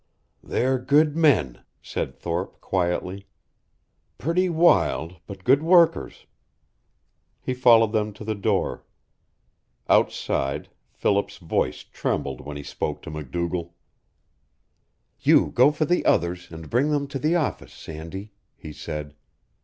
"They're good men," said Thorpe, quietly. "Pretty wild, but good workers." He followed them to the door. Outside, Philip's voice trembled when he spoke to MacDougall. "You go for the others, and bring them to the office, Sandy," he said.